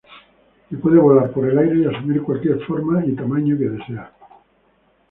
Que puede volar por el aire y asumir cualquier forma y tamaño que desea.